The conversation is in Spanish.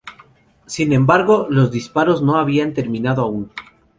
Sin embargo, los disparos no habían terminado aún.